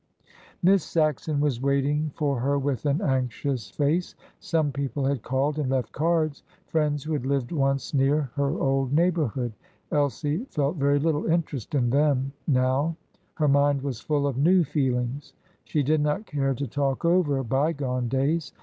Miss Saxon was waiting for her with an anxious face. Some people had called and left cards friends who had lived once near her old neighbourhood. Elsie felt very little interest in them now; her mind was full of new feelings; she did not care to talk over bygone days.